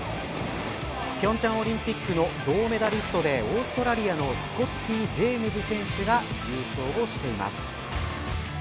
平昌オリンピックの銅メダリストでオーストラリアのスコッティ・ジェームス選手が優勝しています。